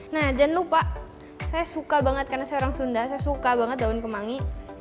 nah jangan lupa saya suka banget karena saya orang sunda saya suka banget daun kemangi